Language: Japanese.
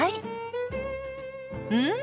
うん！